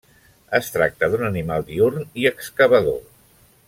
Es tracta d'un animal diürn i excavador.